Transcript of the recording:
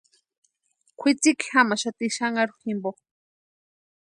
Kwʼitsiki jamaxati xanharu jimpo.